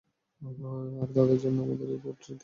আর তাদের জন্য আমার এই ভোট জিতা খুব জরুরী।